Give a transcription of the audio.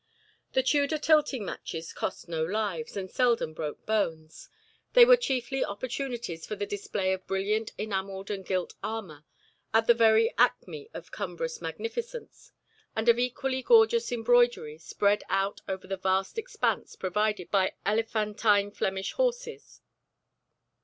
The Tudor tilting matches cost no lives, and seldom broke bones. They were chiefly opportunities for the display of brilliant enamelled and gilt armour, at the very acme of cumbrous magnificence; and of equally gorgeous embroidery spread out over the vast expanse provided by elephantine Flemish horses.